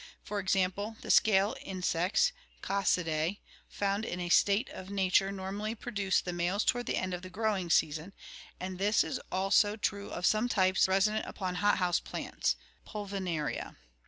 For example, the scale insects (Coccidae) found in a state of nature normally produce the males toward the end of the growing season, and this is also true of some types resident upon hothouse plants (Ptdvinaria sp.).